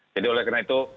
jadi oleh karena itu